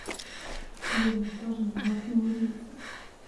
Левин тоже не мог не улыбнуться.